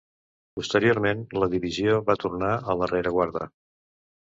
Posteriorment la divisió va tornar a la rereguarda.